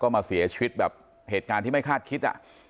มาเสียชีวิตแบบเหตุการณ์ที่ไม่คาดคิด